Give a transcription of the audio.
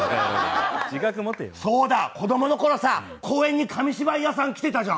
そうだ、子供のころさ公園に紙芝居屋さん来てたじゃん。